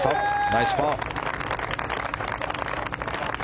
ナイスパー。